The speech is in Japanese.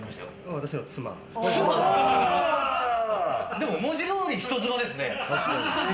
でも文字どおり人妻ですね。